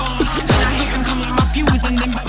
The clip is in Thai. แล้วมันจะไม่สะอาดอาร์ฟ